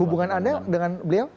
hubungan anda dengan beliau